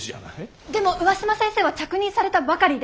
でも上嶋先生は着任されたばかりで。